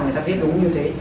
người ta viết đúng như thế